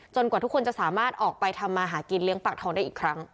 กว่าทุกคนจะสามารถออกไปทำมาหากินเลี้ยงปากทองได้อีกครั้ง